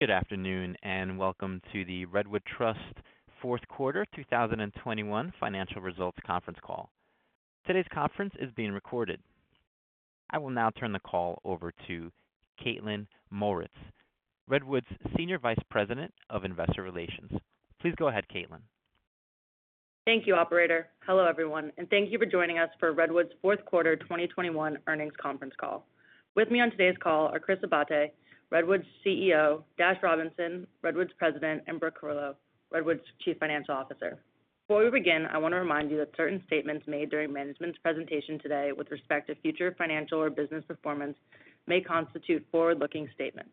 Good afternoon, and welcome to the Redwood Trust fourth quarter 2021 financial results conference call. Today's conference is being recorded. I will now turn the call over to Kaitlyn Mauritz, Redwood's Senior Vice President of Investor Relations. Please go ahead, Kaitlyn. Thank you, operator. Hello, everyone, and thank you for joining us for Redwood's fourth quarter 2021 earnings conference call. With me on today's call are Chris Abate, Redwood's CEO, Dash Robinson, Redwood's President, and Brooke Carillo, Redwood's Chief Financial Officer. Before we begin, I want to remind you that certain statements made during management's presentation today with respect to future financial or business performance may constitute forward-looking statements.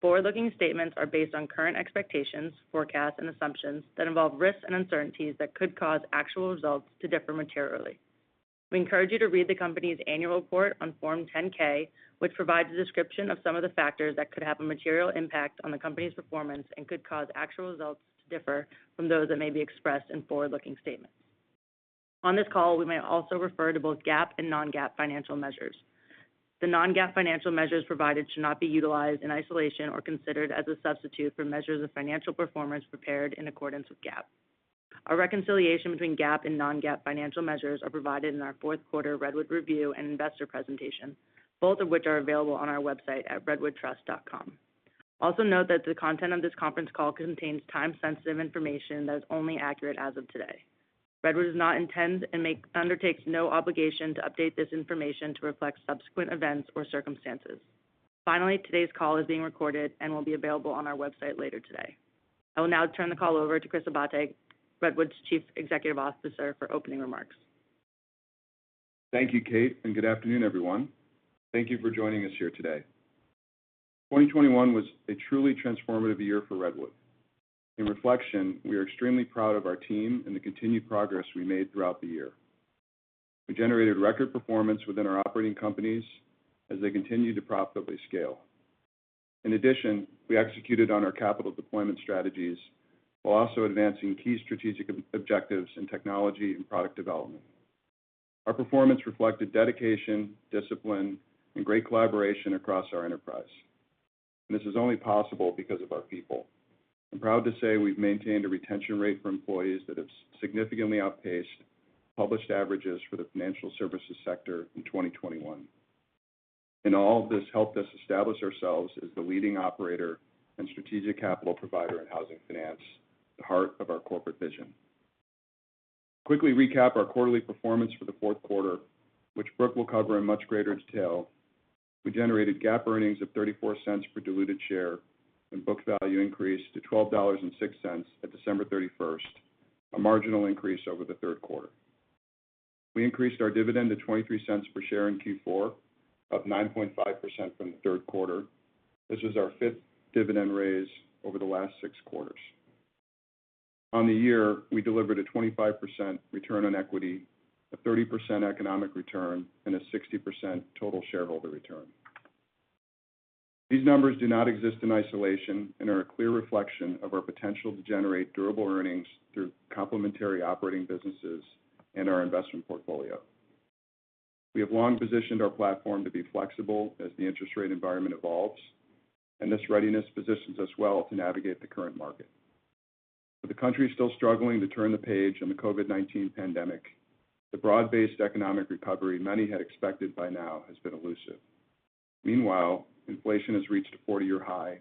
Forward-looking statements are based on current expectations, forecasts, and assumptions that involve risks and uncertainties that could cause actual results to differ materially. We encourage you to read the company's annual report on Form 10-K, which provides a description of some of the factors that could have a material impact on the company's performance and could cause actual results to differ from those that may be expressed in forward-looking statements. On this call, we may also refer to both GAAP and non-GAAP financial measures. The non-GAAP financial measures provided should not be utilized in isolation or considered as a substitute for measures of financial performance prepared in accordance with GAAP. A reconciliation between GAAP and non-GAAP financial measures are provided in our fourth quarter Redwood Review and Investor Presentation, both of which are available on our website at redwoodtrust.com. Also note that the content of this conference call contains time-sensitive information that is only accurate as of today. Redwood does not intend and undertakes no obligation to update this information to reflect subsequent events or circumstances. Finally, today's call is being recorded and will be available on our website later today. I will now turn the call over to Chris Abate, Redwood's Chief Executive Officer, for opening remarks. Thank you, Kait, and good afternoon, everyone. Thank you for joining us here today. 2021 was a truly transformative year for Redwood. In reflection, we are extremely proud of our team and the continued progress we made throughout the year. We generated record performance within our operating companies as they continued to profitably scale. In addition, we executed on our capital deployment strategies while also advancing key strategic objectives in technology and product development. Our performance reflected dedication, discipline, and great collaboration across our enterprise. This is only possible because of our people. I'm proud to say we've maintained a retention rate for employees that have significantly outpaced published averages for the financial services sector in 2021. All of this helped us establish ourselves as the leading operator and strategic capital provider in housing finance, the heart of our corporate vision. To quickly recap our quarterly performance for the fourth quarter, which Brooke will cover in much greater detail, we generated GAAP earnings of $0.34 per diluted share and book value increased to $12.06 at December 31st, a marginal increase over the third quarter. We increased our dividend to $0.23 per share in Q4, up 9.5% from the third quarter. This was our fifth dividend raise over the last six quarters. On the year, we delivered a 25% return on equity, a 30% economic return, and a 60% total shareholder return. These numbers do not exist in isolation and are a clear reflection of our potential to generate durable earnings through complementary operating businesses and our investment portfolio. We have long positioned our platform to be flexible as the interest rate environment evolves, and this readiness positions us well to navigate the current market. With the country still struggling to turn the page on the COVID-19 pandemic, the broad-based economic recovery many had expected by now has been elusive. Meanwhile, inflation has reached a 40-year high,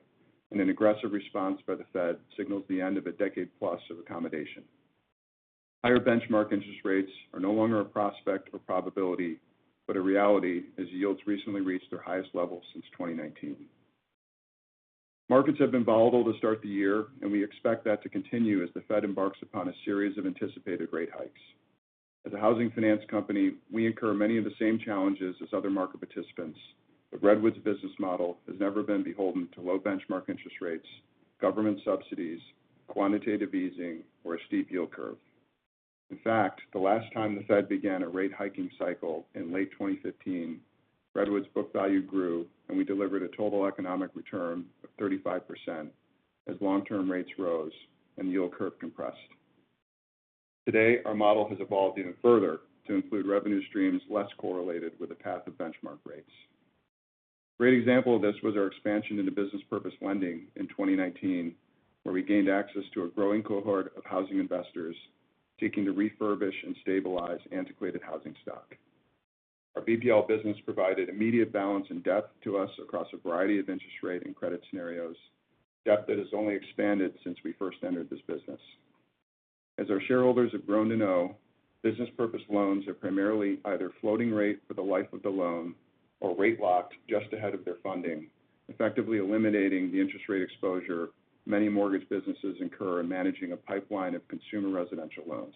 and an aggressive response by the Fed signals the end of a decade plus of accommodation. Higher benchmark interest rates are no longer a prospect or probability, but a reality as yields recently reached their highest level since 2019. Markets have been volatile to start the year, and we expect that to continue as the Fed embarks upon a series of anticipated rate hikes. As a housing finance company, we incur many of the same challenges as other market participants, but Redwood's business model has never been beholden to low benchmark interest rates, government subsidies, quantitative easing, or a steep yield curve. In fact, the last time the Fed began a rate hiking cycle in late 2015, Redwood's book value grew, and we delivered a total economic return of 35% as long-term rates rose and the yield curve compressed. Today, our model has evolved even further to include revenue streams less correlated with the path of benchmark rates. A great example of this was our expansion into business purpose lending in 2019, where we gained access to a growing cohort of housing investors seeking to refurbish and stabilize antiquated housing stock. Our BPL business provided immediate balance and depth to us across a variety of interest rate and credit scenarios, depth that has only expanded since we first entered this business. As our shareholders have grown to know, business purpose loans are primarily either floating rate for the life of the loan or rate locked just ahead of their funding, effectively eliminating the interest rate exposure many mortgage businesses incur in managing a pipeline of consumer residential loans.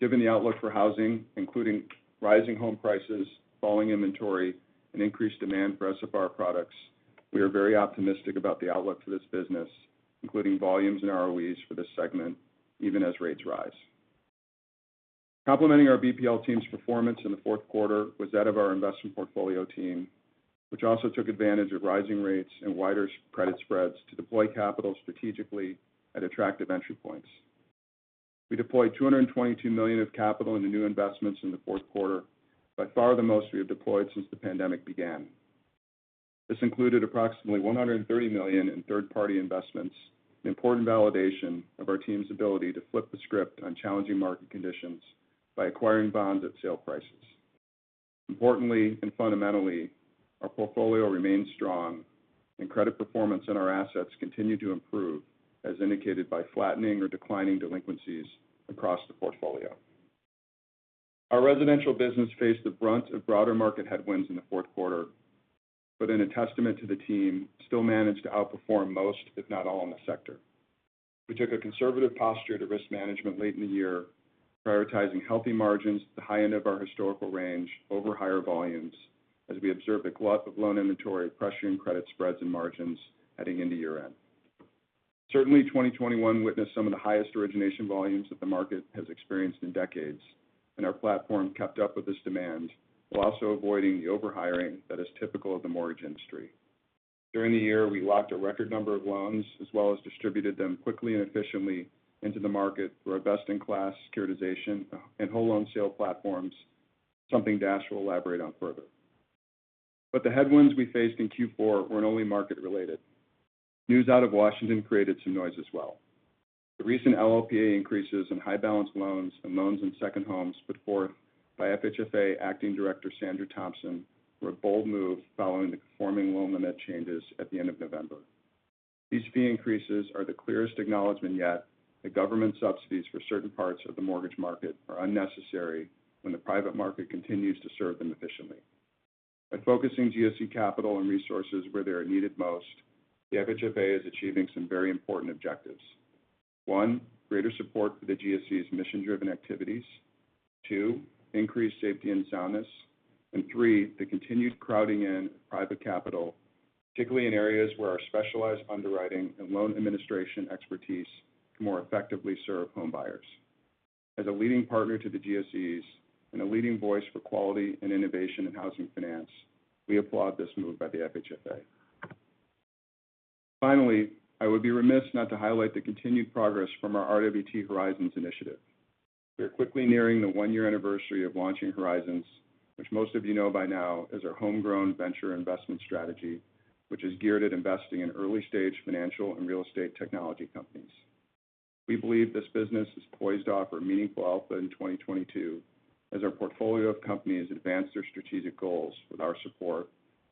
Given the outlook for housing, including rising home prices, falling inventory, and increased demand for SFR products, we are very optimistic about the outlook for this business, including volumes and ROEs for this segment, even as rates rise. Complementing our BPL team's performance in the fourth quarter was that of our investment portfolio team, which also took advantage of rising rates and wider credit spreads to deploy capital strategically at attractive entry points. We deployed $222 million of capital into new investments in the fourth quarter. By far, the most we have deployed since the pandemic began. This included approximately $130 million in third-party investments, an important validation of our team's ability to flip the script on challenging market conditions by acquiring bonds at sale prices. Importantly, and fundamentally, our portfolio remains strong and credit performance and our assets continue to improve, as indicated by flattening or declining delinquencies across the portfolio. Our residential business faced the brunt of broader market headwinds in the fourth quarter, but in a testament to the team, still managed to outperform most, if not all in the sector. We took a conservative posture to risk management late in the year, prioritizing healthy margins at the high end of our historical range over higher volumes as we observed a glut of loan inventory pressuring credit spreads and margins heading into year-end. Certainly, 2021 witnessed some of the highest origination volumes that the market has experienced in decades, and our platform kept up with this demand while also avoiding the over-hiring that is typical of the mortgage industry. During the year, we locked a record number of loans, as well as distributed them quickly and efficiently into the market through our best-in-class securitization and whole loan sale platforms, something Dash will elaborate on further. The headwinds we faced in Q4 weren't only market-related. News out of Washington created some noise as well. The recent LLPA increases in high balance loans and loans in second homes put forth by FHFA Acting Director Sandra Thompson were a bold move following the conforming loan limit changes at the end of November. These fee increases are the clearest acknowledgment yet that government subsidies for certain parts of the mortgage market are unnecessary when the private market continues to serve them efficiently. By focusing GSE capital and resources where they are needed most, the FHFA is achieving some very important objectives. One, greater support for the GSE's mission-driven activities. Two, increased safety and soundness. And three, the continued crowding in of private capital, particularly in areas where our specialized underwriting and loan administration expertise can more effectively serve home buyers. As a leading partner to the GSEs and a leading voice for quality and innovation in housing finance, we applaud this move by the FHFA. Finally, I would be remiss not to highlight the continued progress from our RWT Horizons initiative. We are quickly nearing the one-year anniversary of launching Horizons, which most of you know by now is our homegrown venture investment strategy, which is geared at investing in early-stage financial and real estate technology companies. We believe this business is poised to offer meaningful output in 2022 as our portfolio of companies advance their strategic goals with our support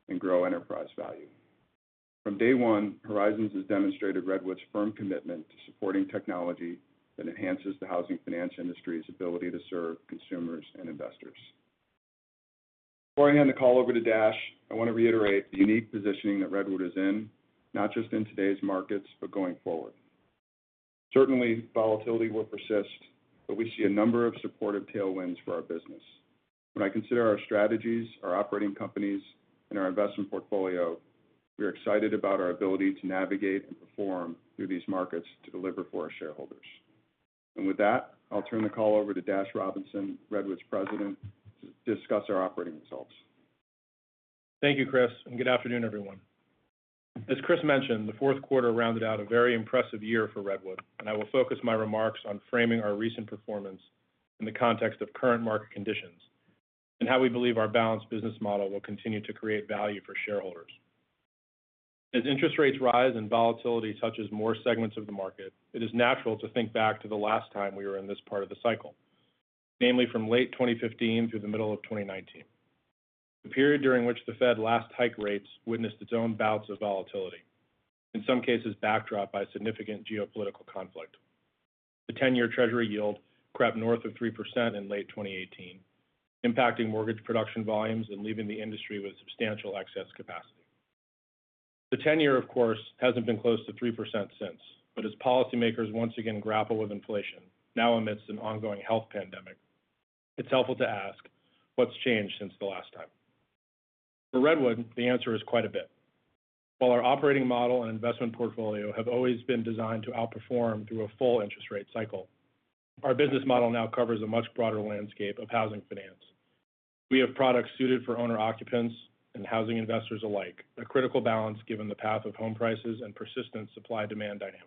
and grow enterprise value. From day one, Horizons has demonstrated Redwood's firm commitment to supporting technology that enhances the housing finance industry's ability to serve consumers and investors. Before I hand the call over to Dash, I want to reiterate the unique positioning that Redwood is in, not just in today's markets, but going forward. Certainly, volatility will persist, but we see a number of supportive tailwinds for our business. When I consider our strategies, our operating companies, and our investment portfolio, we are excited about our ability to navigate and perform through these markets to deliver for our shareholders. With that, I'll turn the call over to Dash Robinson, Redwood's President, to discuss our operating results. Thank you, Chris, and good afternoon, everyone. As Chris mentioned, the fourth quarter rounded out a very impressive year for Redwood, and I will focus my remarks on framing our recent performance in the context of current market conditions and how we believe our balanced business model will continue to create value for shareholders. As interest rates rise and volatility touches more segments of the market, it is natural to think back to the last time we were in this part of the cycle, namely from late 2015 through the middle of 2019. The period during which the Fed last hiked rates witnessed its own bouts of volatility, in some cases, backdropped by significant geopolitical conflict. The 10-year treasury yield crept north of 3% in late 2018, impacting mortgage production volumes and leaving the industry with substantial excess capacity. The 10-year, of course, hasn't been close to 3% since. As policymakers once again grapple with inflation, now amidst an ongoing health pandemic, it's helpful to ask what's changed since the last time? For Redwood, the answer is quite a bit. While our operating model and investment portfolio have always been designed to outperform through a full interest rate cycle, our business model now covers a much broader landscape of housing finance. We have products suited for owner occupants and housing investors alike, a critical balance given the path of home prices and persistent supply-demand dynamics.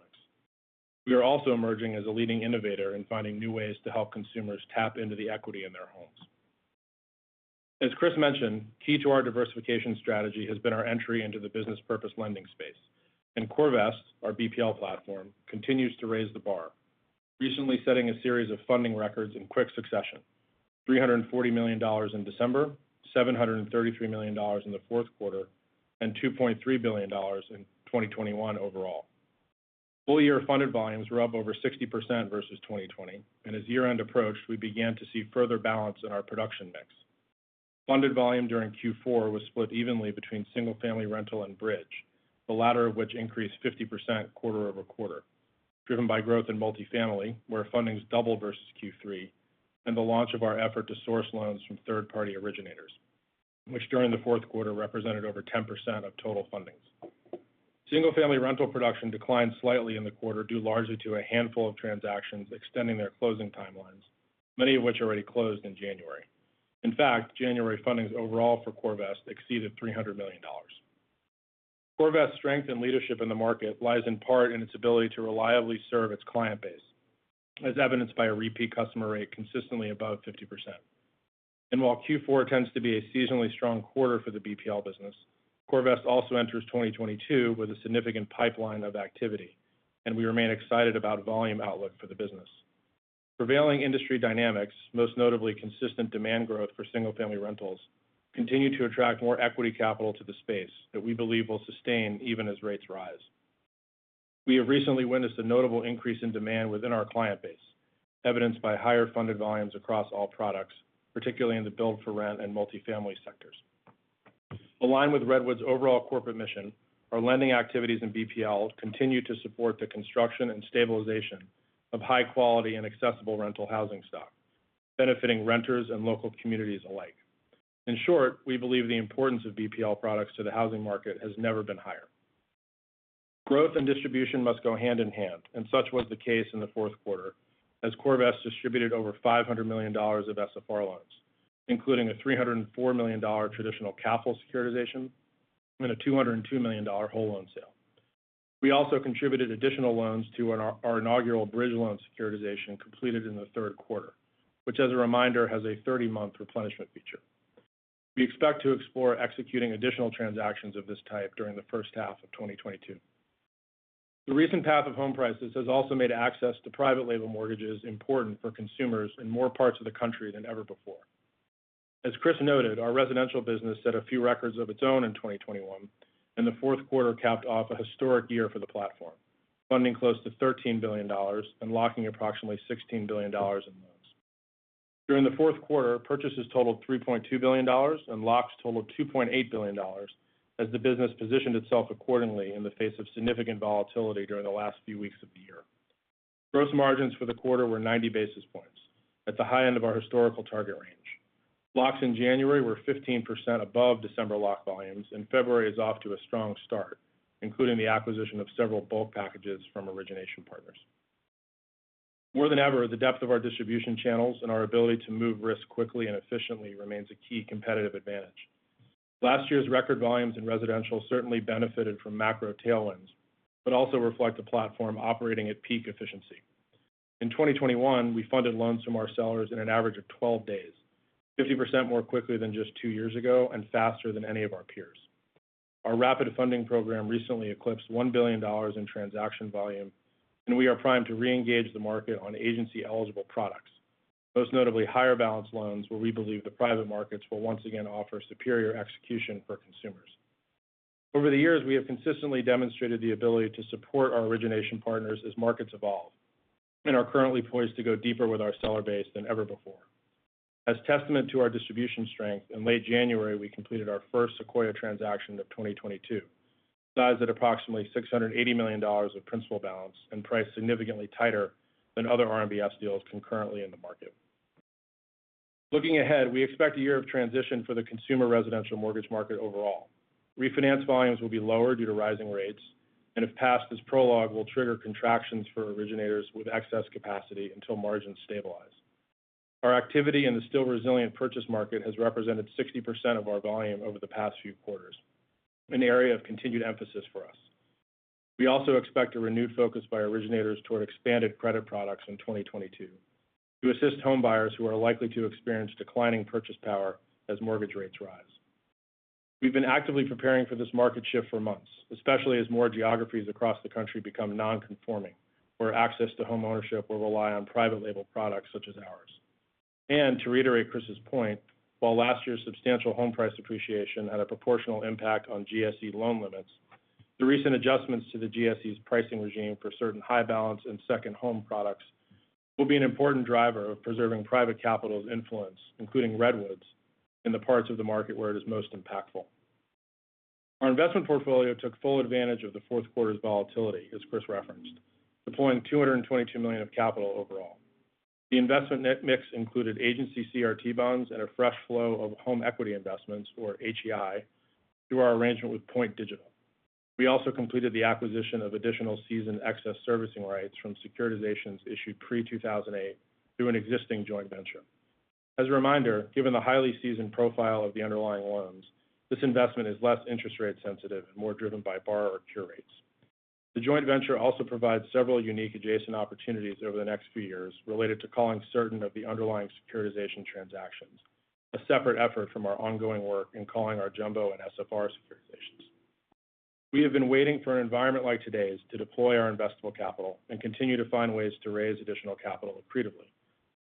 We are also emerging as a leading innovator in finding new ways to help consumers tap into the equity in their homes. As Chris mentioned, key to our diversification strategy has been our entry into the business purpose lending space. CoreVest, our BPL platform, continues to raise the bar, recently setting a series of funding records in quick succession. $340 million in December, $733 million in the fourth quarter, and $2.3 billion in 2021 overall. Full year funded volumes were up over 60% versus 2020, and as year-end approached, we began to see further balance in our production mix. Funded volume during Q4 was split evenly between single-family rental and bridge, the latter of which increased 50% quarter-over-quarter, driven by growth in multifamily, where funding's double versus Q3, and the launch of our effort to source loans from third-party originators, which during the fourth quarter represented over 10% of total fundings. Single-family rental production declined slightly in the quarter, due largely to a handful of transactions extending their closing timelines, many of which already closed in January. In fact, January fundings overall for CoreVest exceeded $300 million. CoreVest's strength and leadership in the market lies in part in its ability to reliably serve its client base, as evidenced by a repeat customer rate consistently above 50%. While Q4 tends to be a seasonally strong quarter for the BPL business, CoreVest also enters 2022 with a significant pipeline of activity, and we remain excited about volume outlook for the business. Prevailing industry dynamics, most notably consistent demand growth for single-family rentals, continue to attract more equity capital to the space that we believe will sustain even as rates rise. We have recently witnessed a notable increase in demand within our client base, evidenced by higher funded volumes across all products, particularly in the build-to-rent and multifamily sectors. Aligned with Redwood's overall corporate mission, our lending activities in BPL continue to support the construction and stabilization of high quality and accessible rental housing stock, benefiting renters and local communities alike. In short, we believe the importance of BPL products to the housing market has never been higher. Growth and distribution must go hand in hand, and such was the case in the fourth quarter as CoreVest distributed over $500 million of SFR loans, including a $304 million traditional capital markets securitization and a $202 million whole loan sale. We also contributed additional loans to our inaugural bridge loan securitization completed in the third quarter, which, as a reminder, has a 30-month replenishment feature. We expect to explore executing additional transactions of this type during the first half of 2022. The recent path of home prices has also made access to private label mortgages important for consumers in more parts of the country than ever before. As Chris noted, our residential business set a few records of its own in 2021, and the fourth quarter capped off a historic year for the platform, funding close to $13 billion and locking approximately $16 billion in loans. During the fourth quarter, purchases totaled $3.2 billion and locks totaled $2.8 billion as the business positioned itself accordingly in the face of significant volatility during the last few weeks of the year. Gross margins for the quarter were 90 basis points at the high end of our historical target range. Locks in January were 15% above December lock volumes, and February is off to a strong start, including the acquisition of several bulk packages from origination partners. More than ever, the depth of our distribution channels and our ability to move risk quickly and efficiently remains a key competitive advantage. Last year's record volumes in residential certainly benefited from macro tailwinds, but also reflect the platform operating at peak efficiency. In 2021, we funded loans from our sellers in an average of 12 days, 50% more quickly than just two years ago and faster than any of our peers. Our Rapid Funding program recently eclipsed $1 billion in transaction volume, and we are primed to reengage the market on agency-eligible products, most notably higher balance loans, where we believe the private markets will once again offer superior execution for consumers. Over the years, we have consistently demonstrated the ability to support our origination partners as markets evolve and are currently poised to go deeper with our seller base than ever before. As testament to our distribution strength, in late January, we completed our first Sequoia transaction of 2022, sized at approximately $680 million of principal balance and priced significantly tighter than other RMBS deals concurrently in the market. Looking ahead, we expect a year of transition for the consumer residential mortgage market overall. Refinance volumes will be lower due to rising rates, and if past is prologue, will trigger contractions for originators with excess capacity until margins stabilize. Our activity in the still resilient purchase market has represented 60% of our volume over the past few quarters, an area of continued emphasis for us. We also expect a renewed focus by originators toward expanded credit products in 2022 to assist homebuyers who are likely to experience declining purchasing power as mortgage rates rise. We've been actively preparing for this market shift for months, especially as more geographies across the country become non-conforming, where access to homeownership will rely on private label products such as ours. To reiterate Chris's point, while last year's substantial home price appreciation had a proportional impact on GSE loan limits, the recent adjustments to the GSEs' pricing regime for certain high balance and second home products will be an important driver of preserving private capital's influence, including Redwood's, in the parts of the market where it is most impactful. Our investment portfolio took full advantage of the fourth quarter's volatility, as Chris referenced, deploying $222 million of capital overall. The investment net mix included agency CRT bonds and a fresh flow of home equity investments, or HEI, through our arrangement with Point. We also completed the acquisition of additional seasoned excess servicing rights from securitizations issued pre-2008 through an existing joint venture. As a reminder, given the highly seasoned profile of the underlying loans, this investment is less interest rate sensitive and more driven by borrower cure rates. The joint venture also provides several unique adjacent opportunities over the next few years related to calling certain of the underlying securitization transactions, a separate effort from our ongoing work in calling our jumbo and SFR securitizations. We have been waiting for an environment like today's to deploy our investable capital and continue to find ways to raise additional capital accretively,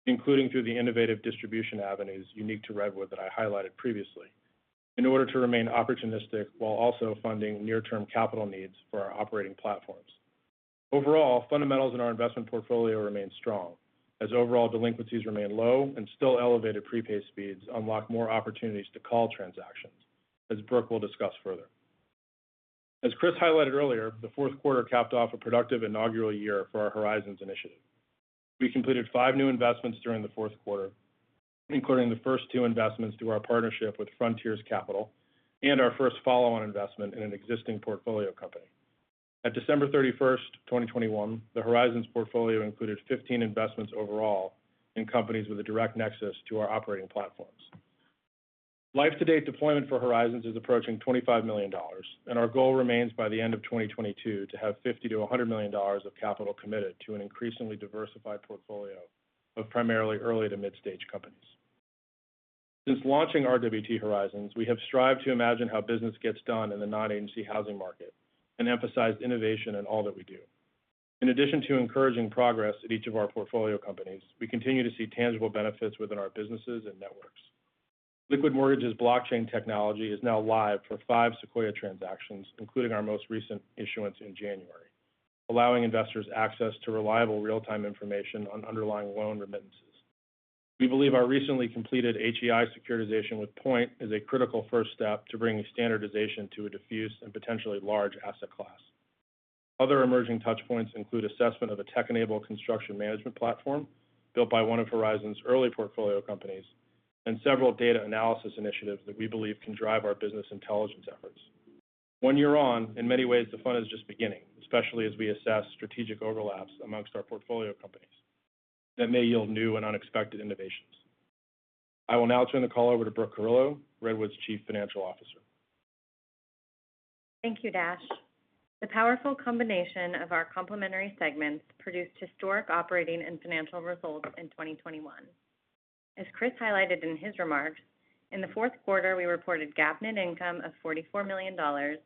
including through the innovative distribution avenues unique to Redwood that I highlighted previously in order to remain opportunistic while also funding near-term capital needs for our operating platforms. Overall, fundamentals in our investment portfolio remain strong as overall delinquencies remain low and still elevated prepay speeds unlock more opportunities to call transactions, as Brooke will discuss further. As Chris highlighted earlier, the fourth quarter capped off a productive inaugural year for our Horizons initiative. We completed five new investments during the fourth quarter, including the first two investments through our partnership with Frontiers Capital and our first follow-on investment in an existing portfolio company. At December 31st, 2021, the Horizons portfolio included 15 investments overall in companies with a direct nexus to our operating platforms. Life to date deployment for Horizons is approaching $25 million, and our goal remains by the end of 2022 to have $50 million-$100 million of capital committed to an increasingly diversified portfolio of primarily early to mid-stage companies. Since launching RWT Horizons, we have strived to imagine how business gets done in the non-agency housing market and emphasize innovation in all that we do. In addition to encouraging progress at each of our portfolio companies, we continue to see tangible benefits within our businesses and networks. Liquid Mortgage's blockchain technology is now live for five Sequoia transactions, including our most recent issuance in January, allowing investors access to reliable real-time information on underlying loan remittances. We believe our recently completed HEI securitization with Point is a critical first step to bringing standardization to a diffuse and potentially large asset class. Other emerging touch points include assessment of a tech-enabled construction management platform built by one of Horizons' early portfolio companies and several data analysis initiatives that we believe can drive our business intelligence efforts. One year on, in many ways, the fun is just beginning, especially as we assess strategic overlaps among our portfolio companies that may yield new and unexpected innovations. I will now turn the call over to Brooke Carillo, Redwood's Chief Financial Officer. Thank you, Dash. The powerful combination of our complementary segments produced historic operating and financial results in 2021. As Chris highlighted in his remarks, in the fourth quarter, we reported GAAP net income of $44 million, or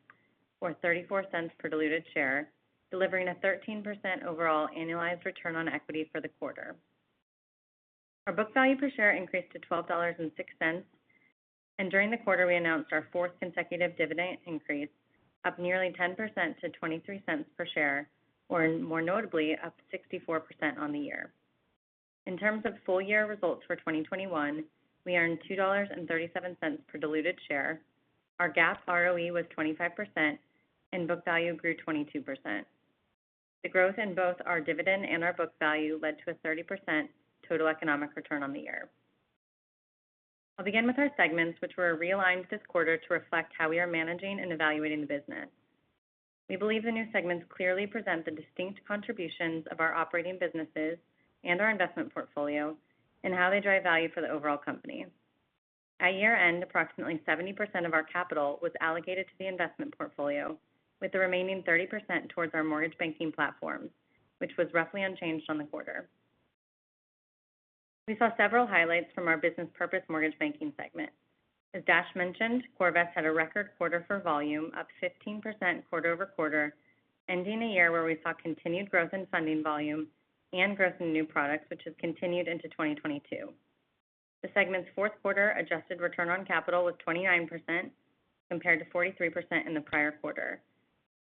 $0.34 per diluted share, delivering a 13% overall annualized return on equity for the quarter. Our book value per share increased to $12.06, and during the quarter, we announced our fourth consecutive dividend increase, up nearly 10% to $0.23 per share, or more notably, up 64% on the year. In terms of full year results for 2021, we earned $2.37 per diluted share. Our GAAP ROE was 25% and book value grew 22%. The growth in both our dividend and our book value led to a 30% total economic return on the year. I'll begin with our segments which were realigned this quarter to reflect how we are managing and evaluating the business. We believe the new segments clearly present the distinct contributions of our operating businesses and our investment portfolio and how they drive value for the overall company. At year-end, approximately 70% of our capital was allocated to the investment portfolio, with the remaining 30% towards our mortgage banking platform, which was roughly unchanged on the quarter. We saw several highlights from our business-purpose mortgage banking segment. As Dash mentioned, CoreVest had a record quarter for volume, up 15% quarter-over-quarter, ending a year where we saw continued growth in funding volume and growth in new products, which has continued into 2022. The segment's fourth quarter adjusted return on capital was 29% compared to 43% in the prior quarter.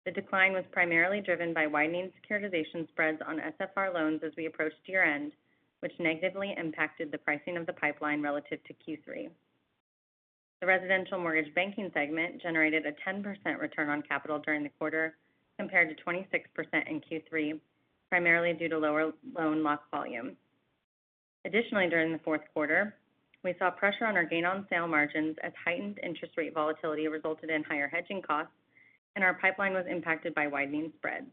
The decline was primarily driven by widening securitization spreads on SFR loans as we approached year-end, which negatively impacted the pricing of the pipeline relative to Q3. The residential mortgage banking segment generated a 10% return on capital during the quarter, compared to 26% in Q3, primarily due to lower loan lock volume. Additionally, during the fourth quarter, we saw pressure on our gain on sale margins as heightened interest rate volatility resulted in higher hedging costs and our pipeline was impacted by widening spreads.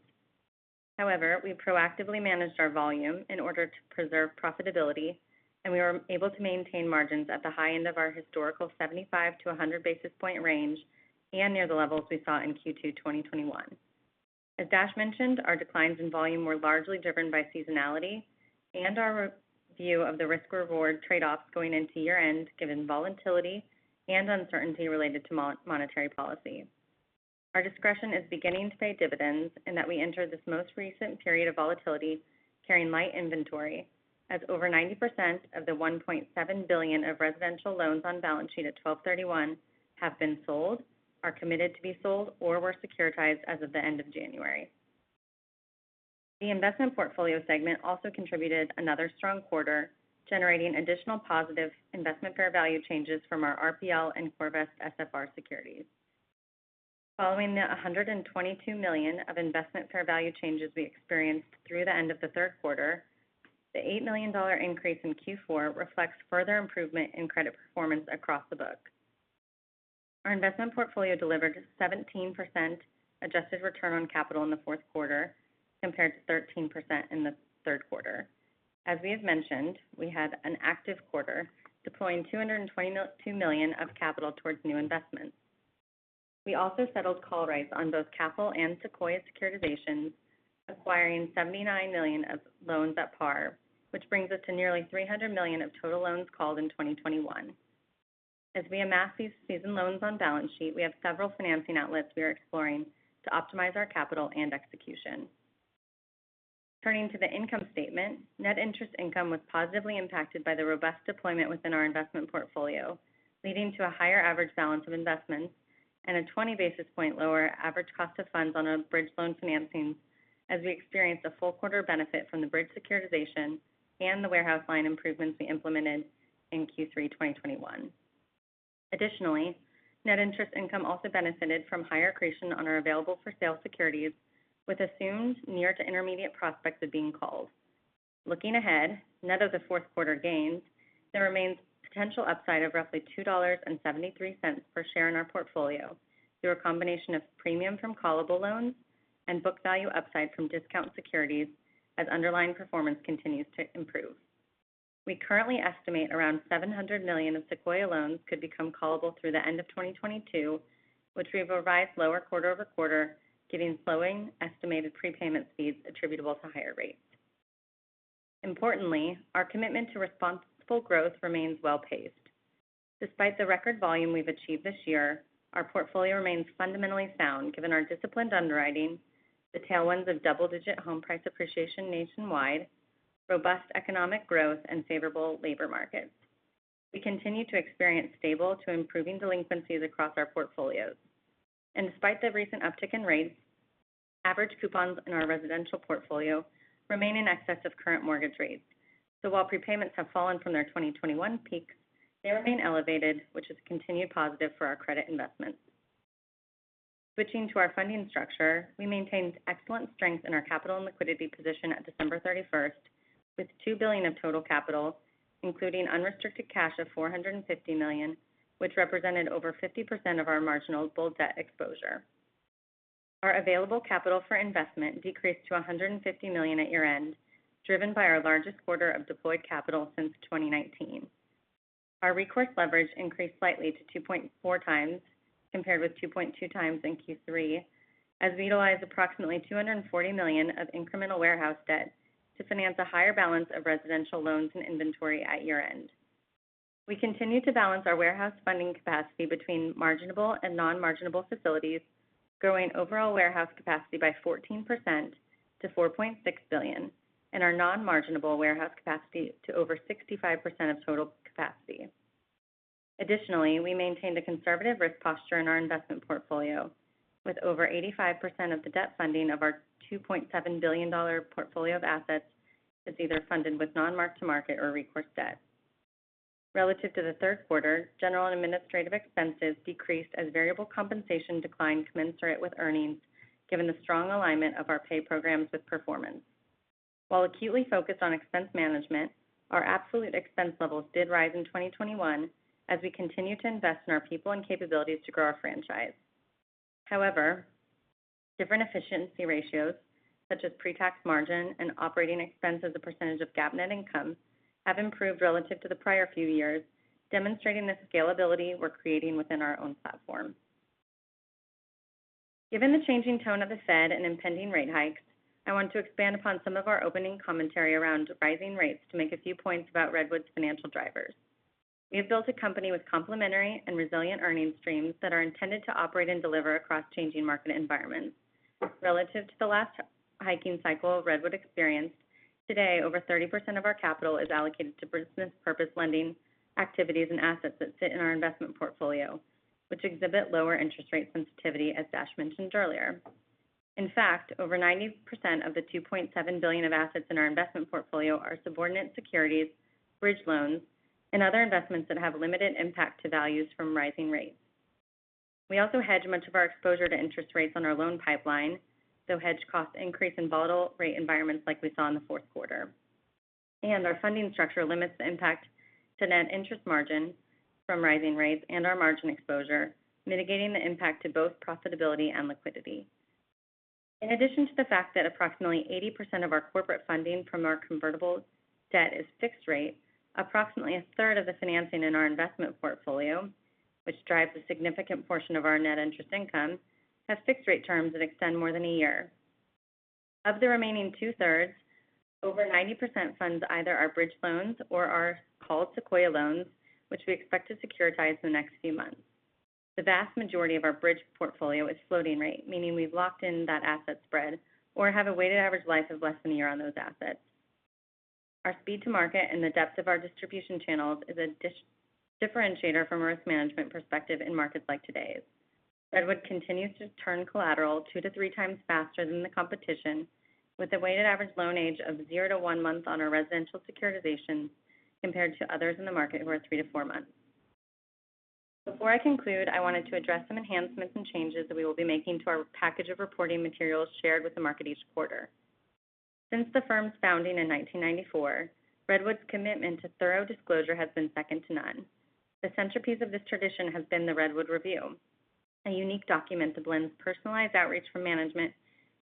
However, we proactively managed our volume in order to preserve profitability, and we were able to maintain margins at the high end of our historical 75-100 basis point range and near the levels we saw in Q2 2021. As Dash mentioned, our declines in volume were largely driven by seasonality and our view of the risk-reward trade-offs going into year-end, given volatility and uncertainty related to monetary policy. Our discretion is beginning to pay dividends and that we enter this most recent period of volatility carrying light inventory as over 90% of the $1.7 billion of residential loans on balance sheet at 12/31 have been sold, are committed to be sold, or were securitized as of the end of January. The investment portfolio segment also contributed another strong quarter, generating additional positive investment fair value changes from our RPL and CoreVest SFR securities. Following the $122 million of investment fair value changes we experienced through the end of the third quarter, the $8 million increase in Q4 reflects further improvement in credit performance across the book. Our investment portfolio delivered 17% adjusted return on capital in the fourth quarter compared to 13% in the third quarter. As we have mentioned, we had an active quarter deploying $222 million of capital towards new investments. We also settled call rights on both CAFL and Sequoia securitizations, acquiring $79 million of loans at par, which brings us to nearly $300 million of total loans called in 2021. As we amass these seasoned loans on balance sheet, we have several financing outlets we are exploring to optimize our capital and execution. Turning to the income statement, net interest income was positively impacted by the robust deployment within our investment portfolio, leading to a higher average balance of investments and a 20 basis point lower average cost of funds on our bridge loan financing as we experienced a full quarter benefit from the bridge securitization and the warehouse line improvements we implemented in Q3 2021. Additionally, net interest income also benefited from higher accretion on our available for sale securities with assumed near to intermediate prospects of being called. Looking ahead, net of the fourth quarter gains, there remains potential upside of roughly $2.73 per share in our portfolio through a combination of premium from callable loans and book value upside from discount securities as underlying performance continues to improve. We currently estimate around $700 million of Sequoia loans could become callable through the end of 2022, which we have revised lower quarter-over-quarter, given slowing estimated prepayment speeds attributable to higher rates. Importantly, our commitment to responsible growth remains well-paced. Despite the record volume we've achieved this year, our portfolio remains fundamentally sound given our disciplined underwriting, the tailwinds of double-digit home price appreciation nationwide, robust economic growth, and favorable labor markets. We continue to experience stable to improving delinquencies across our portfolios. Despite the recent uptick in rates, average coupons in our residential portfolio remain in excess of current mortgage rates. While prepayments have fallen from their 2021 peak, they remain elevated which is continued positive for our credit investments. Switching to our funding structure, we maintained excellent strength in our capital and liquidity position at December 31st with $2 billion of total capital, including unrestricted cash of $450 million which represented over 50% of our marginable repo debt exposure. Our available capital for investment decreased to $150 million at year-end, driven by our largest quarter of deployed capital since 2019. Our recourse leverage increased slightly to 2.4 times compared with 2.2 times in Q3 as we utilized approximately $240 million of incremental warehouse debt to finance a higher balance of residential loans and inventory at year-end. We continue to balance our warehouse funding capacity between marginable and non-marginable facilities, growing overall warehouse capacity by 14% to $4.6 billion and our non-marginable warehouse capacity to over 65% of total capacity. Additionally, we maintained a conservative risk posture in our investment portfolio with over 85% of the debt funding of our $2.7 billion portfolio of assets is either funded with non-mark-to-market or recourse debt. Relative to the third quarter, general and administrative expenses decreased as variable compensation declined commensurate with earnings given the strong alignment of our pay programs with performance. While acutely focused on expense management, our absolute expense levels did rise in 2021 as we continue to invest in our people and capabilities to grow our franchise. However, different efficiency ratios such as pre-tax margin and operating expense as a percentage of GAAP net income have improved relative to the prior few years, demonstrating the scalability we're creating within our own platform. Given the changing tone of the Fed and impending rate hikes, I want to expand upon some of our opening commentary around rising rates to make a few points about Redwood's financial drivers. We have built a company with complementary and resilient earnings streams that are intended to operate and deliver across changing market environments. Relative to the last hiking cycle Redwood experienced, today over 30% of our capital is allocated to business purpose lending activities and assets that sit in our investment portfolio, which exhibit lower interest rate sensitivity, as Dash mentioned earlier. In fact, over 90% of the $2.7 billion of assets in our investment portfolio are subordinate securities, bridge loans, and other investments that have limited impact to values from rising rates. We also hedge much of our exposure to interest rates on our loan pipeline, so hedge costs increase in volatile rate environments like we saw in the fourth quarter. Our funding structure limits the impact to net interest margin from rising rates and our margin exposure, mitigating the impact to both profitability and liquidity. In addition to the fact that approximately 80% of our corporate funding from our convertible debt is fixed rate, approximately 1/3 of the financing in our investment portfolio, which drives a significant portion of our net interest income, have fixed rate terms that extend more than a year. Of the remaining 2/3, over 90% funds either our bridge loans or our called Sequoia loans which we expect to securitize in the next few months. The vast majority of our bridge portfolio is floating rate, meaning we've locked in that asset spread or have a weighted average life of less than a year on those assets. Our speed to market and the depth of our distribution channels is a differentiator from a risk management perspective in markets like today's. Redwood continues to turn collateral 2-3 times faster than the competition with a weighted average loan age of zero to one month on our residential securitization compared to others in the market who are three to four months. Before I conclude, I wanted to address some enhancements and changes that we will be making to our package of reporting materials shared with the market each quarter. Since the firm's founding in 1994, Redwood's commitment to thorough disclosure has been second to none. The centerpiece of this tradition has been the Redwood Review, a unique document that blends personalized outreach from management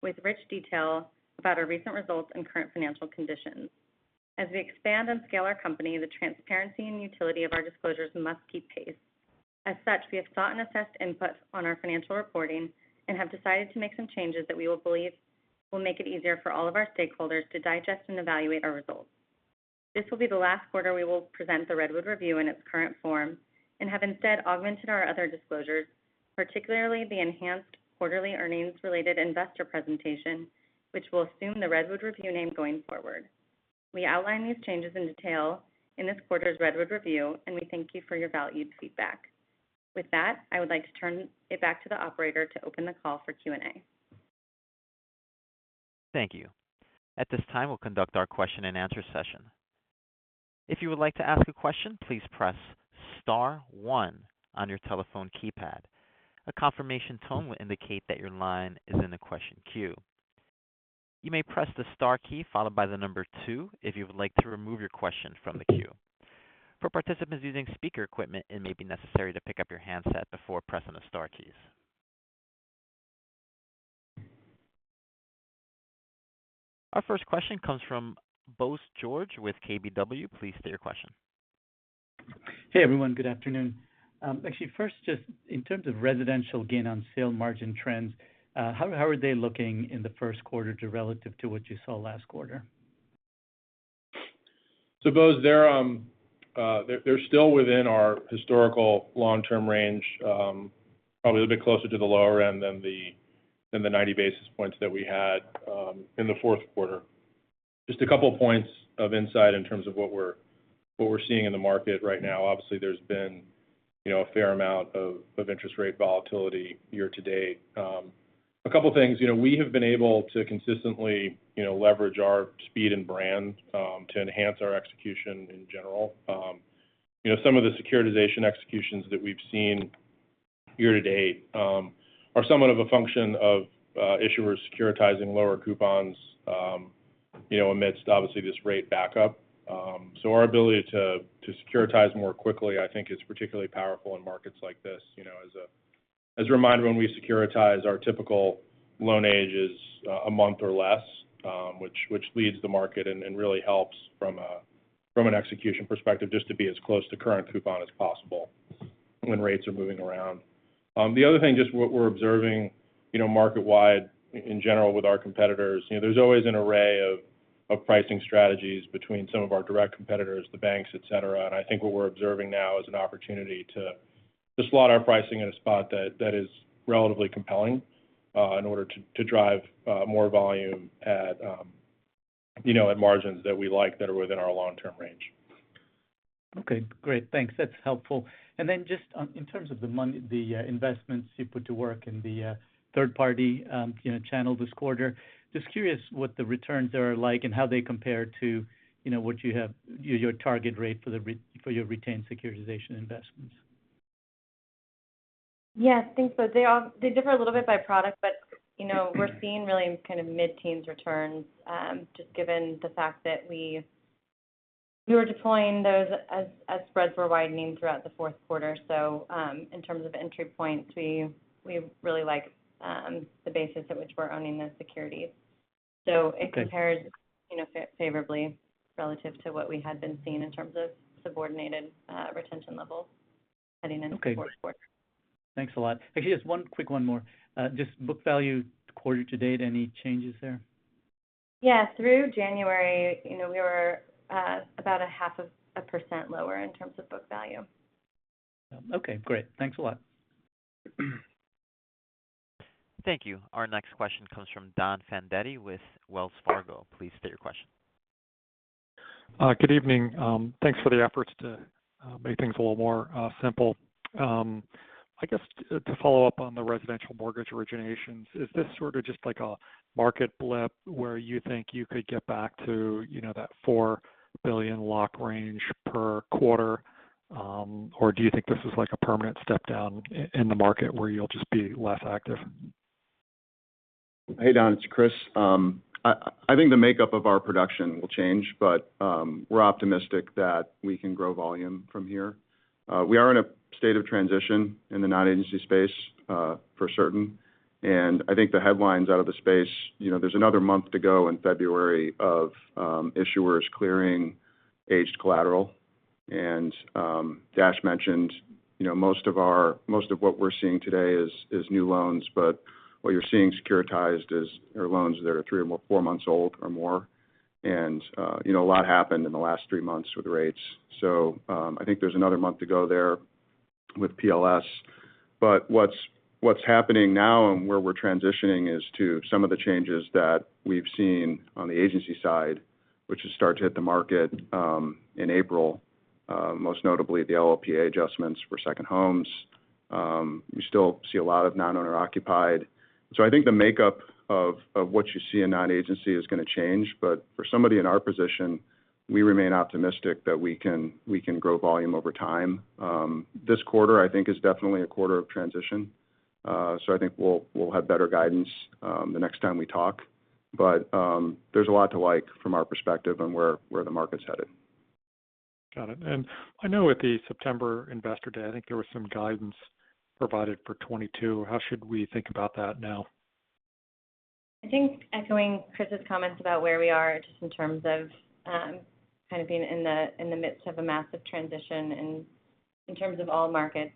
with rich detail about our recent results and current financial conditions. As we expand and scale our company, the transparency and utility of our disclosures must keep pace. As such, we have sought and assessed input on our financial reporting and have decided to make some changes that we believe will make it easier for all of our stakeholders to digest and evaluate our results. This will be the last quarter we will present the Redwood Review in its current form and have instead augmented our other disclosures, particularly the enhanced quarterly earnings related investor presentation which will assume the Redwood Review name going forward. We outline these changes in detail in this quarter's Redwood Review, and we thank you for your valued feedback. With that, I would like to turn it back to the operator to open the call for Q&A. Thank you. At this time, we'll conduct our question and answer session. If you would like to ask a question, please press star one on your telephone keypad. A confirmation tone will indicate that your line is in the question queue. You may press the star key followed by the number two if you would like to remove your question from the queue. For participants using speaker equipment, it may be necessary to pick up your handset before pressing the star keys. Our first question comes from Bose George with KBW. Please state your question. Hey, everyone. Good afternoon. Actually first, just in terms of residential gain on sale margin trends, how are they looking in the first quarter relative to what you saw last quarter? Bose, they're still within our historical long-term range, probably a bit closer to the lower end than the 90 basis points that we had in the fourth quarter. Just a couple points of insight in terms of what we're seeing in the market right now. Obviously, there's been you know a fair amount of interest rate volatility year to date. A couple things. You know, we have been able to consistently you know leverage our speed and brand to enhance our execution in general. You know, some of the securitization executions that we've seen year to date are somewhat of a function of issuers securitizing lower coupons you know amidst obviously this rate backup. Our ability to securitize more quickly I think is particularly powerful in markets like this. You know, as a reminder, when we securitize, our typical loan age is a month or less, which leads the market and really helps from an execution perspective just to be as close to current coupon as possible when rates are moving around. The other thing just what we're observing, you know, market-wide in general with our competitors, you know, there's always an array of pricing strategies between some of our direct competitors, the banks, et cetera. I think what we're observing now is an opportunity to slot our pricing in a spot that is relatively compelling, in order to drive more volume at margins that we like that are within our long-term range. Okay. Great. Thanks. That's helpful. Then just on in terms of the money, the investments you put to work in the third party, you know, channel this quarter, just curious what the returns are like and how they compare to, you know, what you have your target rate for your retained securitization investments. Yes. Thanks, Bose. They differ a little bit by product, but, you know, we're seeing really kind of mid-teens returns, just given the fact that we were deploying those as spreads were widening throughout the fourth quarter. In terms of entry points, we really like the basis at which we're owning the securities. It compares, you know, favorably relative to what we had been seeing in terms of subordinated retention levels heading into fourth quarter. Okay. Thanks a lot. Actually, just one quick one more. Just book value quarter to date, any changes there? Yeah. Through January, you know, we were about 0.5% lower in terms of book value. Okay, great. Thanks a lot. Thank you. Our next question comes from Don Fandetti with Wells Fargo. Please state your question. Good evening. Thanks for the efforts to make things a little more simple. I guess to follow up on the residential mortgage originations, is this sort of just like a market blip where you think you could get back to, you know, that $4 billion lock range per quarter, or do you think this is like a permanent step down in the market where you'll just be less active? Hey, Don, it's Chris. I think the makeup of our production will change, but we're optimistic that we can grow volume from here. We are in a state of transition in the non-agency space for certain, and I think the headlines out of the space, you know, there's another month to go in February of issuers clearing aged collateral. Dash mentioned, you know, most of what we're seeing today is new loans, but what you're seeing securitized is older loans that are three or more, four months old or more. You know, a lot happened in the last three months with rates. I think there's another month to go there with PLS. What's happening now and where we're transitioning is to some of the changes that we've seen on the agency side, which will start to hit the market in April, most notably the LLPA adjustments for second homes. We still see a lot of non-owner-occupied. I think the makeup of what you see in non-agency is gonna change, but for somebody in our position, we remain optimistic that we can grow volume over time. This quarter, I think, is definitely a quarter of transition, so I think we'll have better guidance the next time we talk. There's a lot to like from our perspective on where the market's headed. Got it. I know at the September Investor Day, I think there was some guidance provided for 2022. How should we think about that now? I think echoing Chris's comments about where we are just in terms of kind of being in the midst of a massive transition in terms of all markets,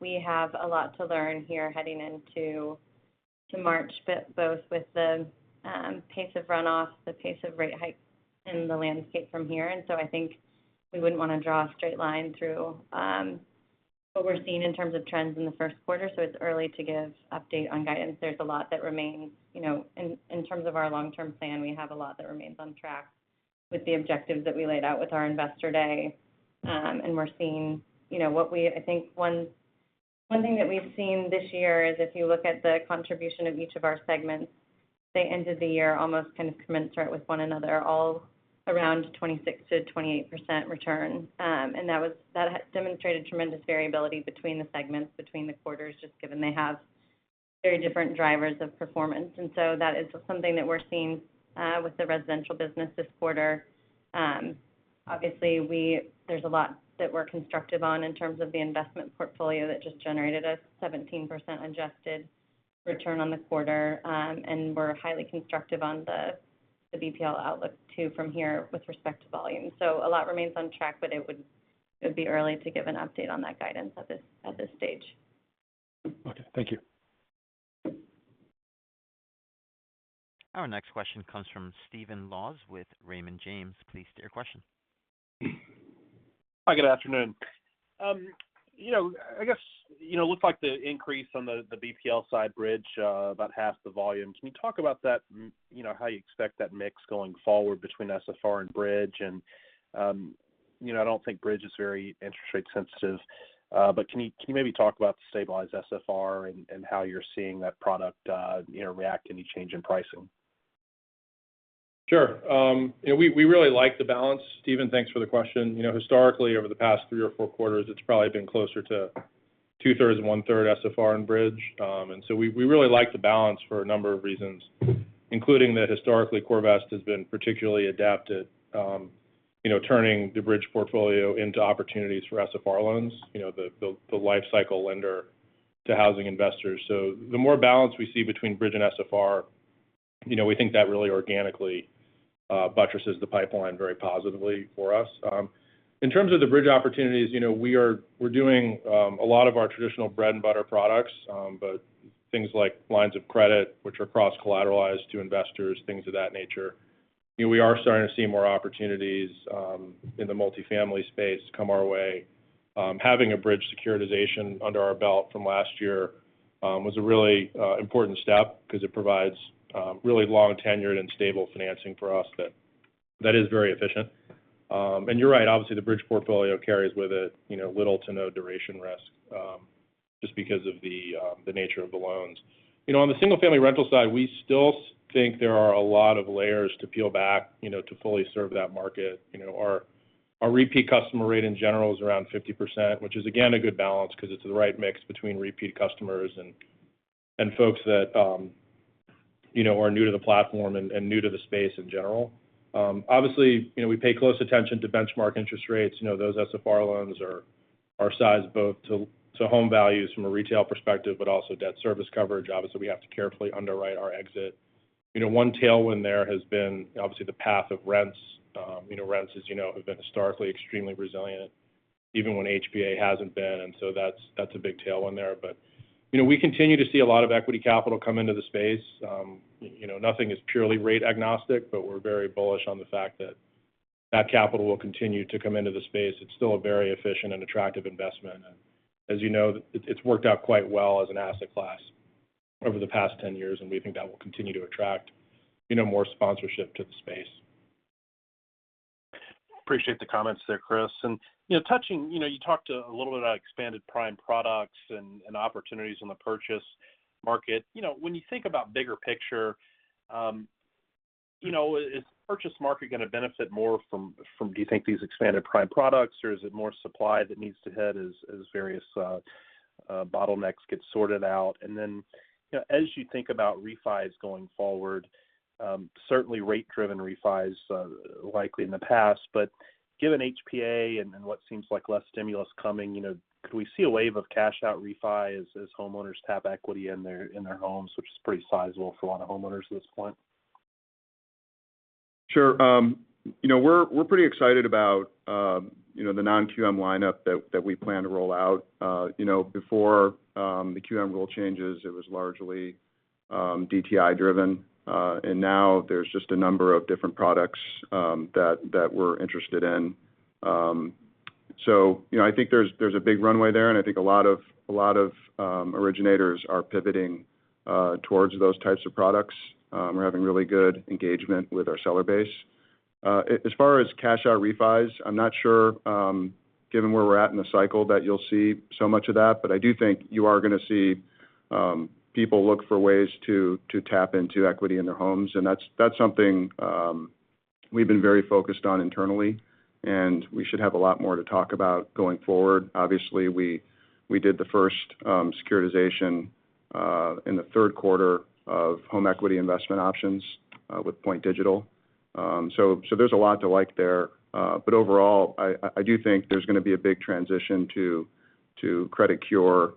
we have a lot to learn here heading into March, but both with the pace of runoff, the pace of rate hikes in the landscape from here. I think we wouldn't wanna draw a straight line through what we're seeing in terms of trends in the first quarter, so it's early to give update on guidance. There's a lot that remains, you know, in terms of our long-term plan, we have a lot that remains on track with the objectives that we laid out with our Investor Day. We're seeing, you know, what we, I think one thing that we've seen this year is if you look at the contribution of each of our segments, they ended the year almost kind of commensurate with one another, all around 26%-28% return. That demonstrated tremendous variability between the segments, between the quarters, just given they have very different drivers of performance. That is something that we're seeing with the residential business this quarter. Obviously, there's a lot that we're constructive on in terms of the investment portfolio that just generated a 17% adjusted return on the quarter. We're highly constructive on the BPL outlook too from here with respect to volume. A lot remains on track, but it would be early to give an update on that guidance at this stage. Okay. Thank you. Our next question comes from Stephen Laws with Raymond James. Please state your question. Hi, good afternoon. You know, I guess, you know, it looks like the increase on the BPL side bridge about half the volume. Can you talk about that, you know, how you expect that mix going forward between SFR and bridge? You know, I don't think bridge is very interest rate sensitive, but can you maybe talk about the stabilized SFR and how you're seeing that product, you know, react to any change in pricing? Sure. You know, we really like the balance. Stephen, thanks for the question. You know, historically, over the past three or four quarters, it's probably been closer to 2/3 and 1/3 SFR and bridge. We really like the balance for a number of reasons, including that historically CoreVest has been particularly adapted, you know, turning the bridge portfolio into opportunities for SFR loans, you know, the life cycle lender to housing investors. The more balance we see between bridge and SFR, you know, we think that really organically buttresses the pipeline very positively for us. In terms of the bridge opportunities, you know, we're doing a lot of our traditional bread and butter products, but things like lines of credit which are cross-collateralized to investors, things of that nature. You know, we are starting to see more opportunities in the multifamily space come our way. Having a bridge securitization under our belt from last year was a really important step because it provides really long tenured and stable financing for us that is very efficient. You're right, obviously, the bridge portfolio carries with it, you know, little to no duration risk just because of the nature of the loans. You know, on the single-family rental side, we still think there are a lot of layers to peel back, you know, to fully serve that market. You know, our repeat customer rate in general is around 50%, which is again a good balance because it's the right mix between repeat customers and folks that, you know, are new to the platform and new to the space in general. Obviously, you know, we pay close attention to benchmark interest rates. You know, those SFR loans are sized both to home values from a retail perspective, but also debt service coverage. Obviously, we have to carefully underwrite our exit. You know, one tailwind there has been obviously the path of rents. You know, rents, as you know, have been historically extremely resilient, even when HPA hasn't been. That's a big tailwind there. You know, we continue to see a lot of equity capital come into the space. You know, nothing is purely rate agnostic, but we're very bullish on the fact that capital will continue to come into the space. It's still a very efficient and attractive investment. As you know, it's worked out quite well as an asset class over the past 10 years, and we think that will continue to attract, you know, more sponsorship to the space. Appreciate the comments there, Chris. You know, touching on, you know, you talked a little bit about expanded prime products and opportunities in the purchase market. You know, when you think about bigger picture, you know, is purchase market gonna benefit more from, do you think these expanded prime products, or is it more supply that needs to hit as various bottlenecks get sorted out? Then, you know, as you think about refis going forward, certainly rate-driven refis likely in the past. Given HPA and then what seems like less stimulus coming, you know, could we see a wave of cash-out refis as homeowners tap equity in their homes, which is pretty sizable for a lot of homeowners at this point? Sure. You know, we're pretty excited about, you know, the non-QM lineup that we plan to roll out. You know, before the QM rule changes, it was largely DTI-driven. Now there's just a number of different products that we're interested in. You know, I think there's a big runway there, and I think a lot of originators are pivoting towards those types of products. We're having really good engagement with our seller base. As far as cash out refis, I'm not sure, given where we're at in the cycle that you'll see so much of that. I do think you are gonna see people look for ways to tap into equity in their homes, and that's something we've been very focused on internally, and we should have a lot more to talk about going forward. Obviously, we did the first securitization in the third quarter of home equity investments with Point. So there's a lot to like there. Overall, I do think there's gonna be a big transition to credit cure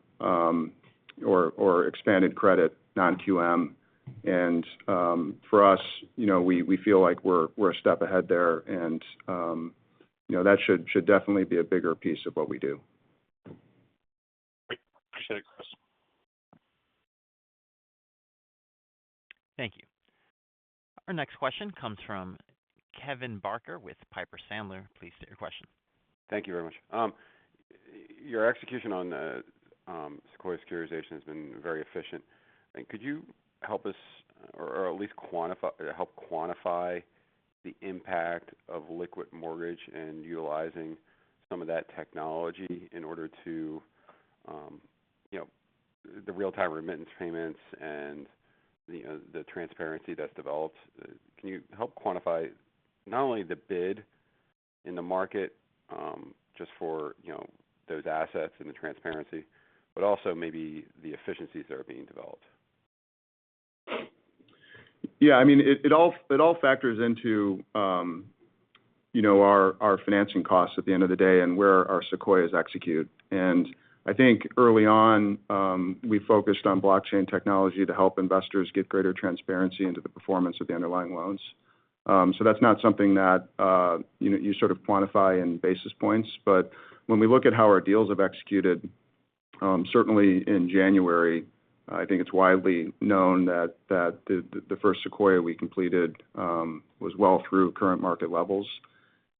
or expanded credit non-QM. For us, you know, we feel like we're a step ahead there and, you know, that should definitely be a bigger piece of what we do. Great. Appreciate it, Chris. Thank you. Our next question comes from Kevin Barker with Piper Sandler. Please state your question. Thank you very much. Your execution on Sequoia securitization has been very efficient. Could you help us or at least help quantify the impact of Liquid Mortgage and utilizing some of that technology in order to, you know, the real-time remittance payments and the transparency that's developed. Can you help quantify not only the bid in the market, just for, you know, those assets and the transparency, but also maybe the efficiencies that are being developed? Yeah. I mean, it all factors into, you know, our financing costs at the end of the day and where our Sequoias execute. I think early on, we focused on blockchain technology to help investors get greater transparency into the performance of the underlying loans. That's not something that, you know, you sort of quantify in basis points. When we look at how our deals have executed, certainly in January, I think it's widely known that the first Sequoia we completed was well through current market levels.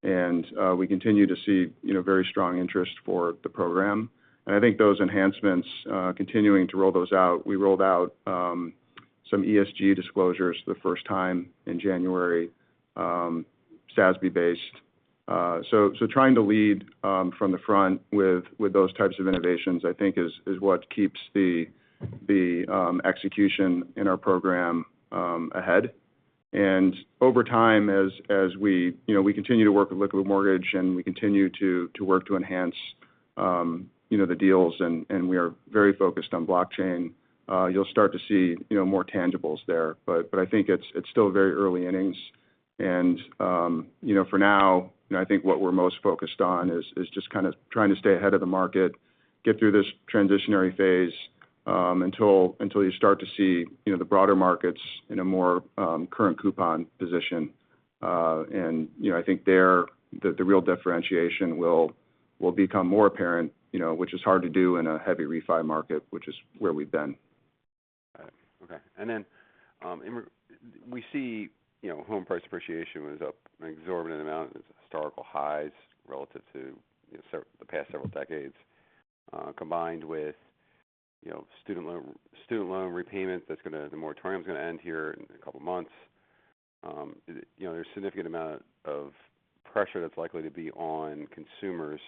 We continue to see, you know, very strong interest for the program. I think those enhancements, continuing to roll those out, we rolled out some ESG disclosures for the first time in January, SASB-based. So trying to lead from the front with those types of innovations, I think is what keeps the execution in our program ahead. Over time, as we, you know, continue to work with Liquid Mortgage and we continue to work to enhance, you know, the deals and we are very focused on blockchain, you'll start to see, you know, more tangibles there. I think it's still very early innings and, you know, for now, you know, I think what we're most focused on is just kind of trying to stay ahead of the market, get through this transitionary phase, until you start to see, you know, the broader markets in a more current coupon position. You know, I think there, the real differentiation will become more apparent, you know, which is hard to do in a heavy refi market, which is where we've been. Got it. Okay. We see, you know, home price appreciation was up an exorbitant amount. It's historical highs relative to the past several decades, combined with, you know, student loan repayment. The moratorium is gonna end here in a couple of months. You know, there's significant amount of pressure that's likely to be on consumers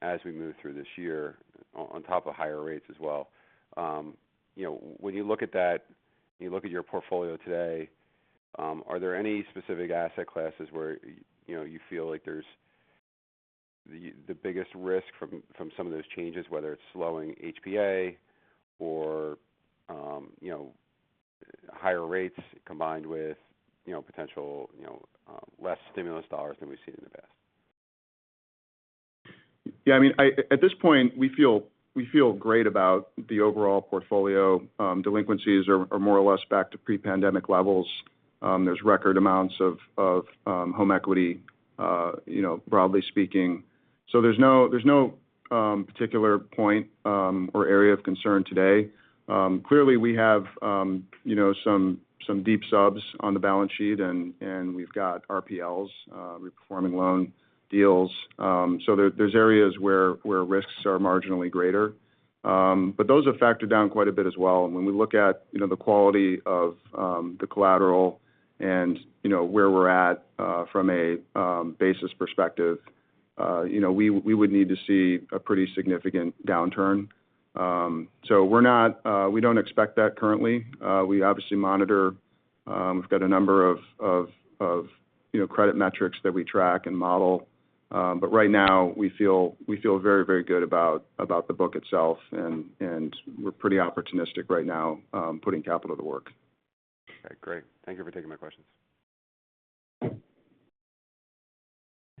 as we move through this year on top of higher rates as well. You know, when you look at that and you look at your portfolio today, are there any specific asset classes where you know you feel like there's the biggest risk from some of those changes, whether it's slowing HPA or, you know, higher rates combined with, you know, potential, you know, less stimulus dollars than we've seen in the past? Yeah. I mean, at this point, we feel great about the overall portfolio. Delinquencies are more or less back to pre-pandemic levels. There's record amounts of home equity, you know, broadly speaking. So there's no particular point or area of concern today. Clearly we have, you know, some deep subs on the balance sheet and we've got RPLs, reperforming loan deals. So there are areas where risks are marginally greater. But those have factored down quite a bit as well. When we look at, you know, the quality of the collateral and, you know, where we're at from a basis perspective, you know, we would need to see a pretty significant downturn. So we don't expect that currently. We obviously monitor. We've got a number of, you know, credit metrics that we track and model. Right now, we feel very good about the book itself, and we're pretty opportunistic right now, putting capital to work. Okay. Great. Thank you for taking my questions.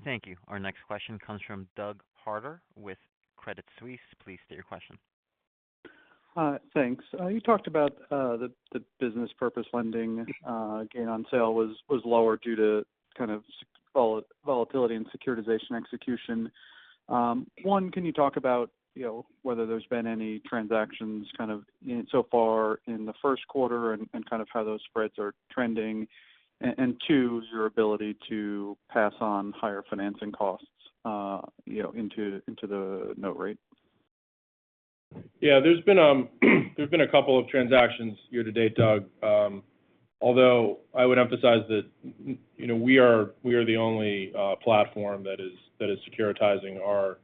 Thank you. Our next question comes from Doug Harter with Credit Suisse. Please state your question. Thanks. You talked about the business purpose lending gain on sale was lower due to kind of volatility and securitization execution. One, can you talk about, you know, whether there's been any transactions so far in the first quarter and kind of how those spreads are trending? Two, your ability to pass on higher financing costs, you know, into the note rate. Yeah. There's been a couple of transactions year to date, Doug. Although I would emphasize that, you know, we are the only platform that is securitizing our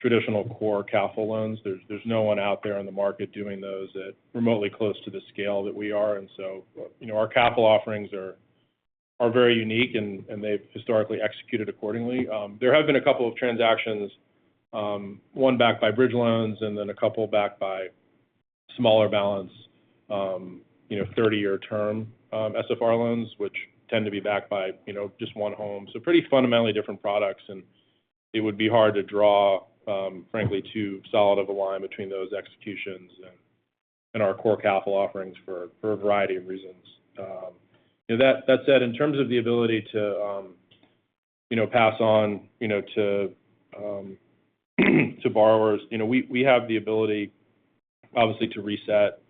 traditional core capital loans. There's no one out there in the market doing those at remotely close to the scale that we are. And so, you know, our capital offerings are very unique and they've historically executed accordingly. There have been a couple of transactions, one backed by bridge loans and then a couple backed by smaller balance, you know, 30-year term, SFR loans, which tend to be backed by, you know, just one home. Pretty fundamentally different products. It would be hard to draw, frankly, too solid of a line between those executions and our core capital offerings for a variety of reasons. That said, in terms of the ability to, you know, pass on, you know, to borrowers, you know, we have the ability, obviously, to reset,